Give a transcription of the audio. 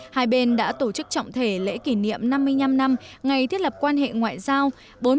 hai bên đã tổ chức trọng thể lễ kỷ niệm năm mươi năm năm ngày thiết lập quan hệ ngoại giao